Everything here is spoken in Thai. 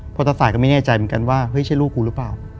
พอตาสายก็ไม่แน่ใจเหมือนกันว่าเฮ้ยใช่ลูกกูหรือเปล่า